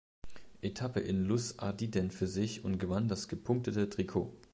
Etappe in Luz-Ardiden für sich und gewann das Gepunktete Trikot.